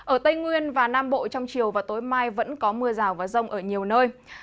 ở tây nguyên và nam bộ trong chiều và tối mai vẫn có mưa rào và rông ở nhiều nơi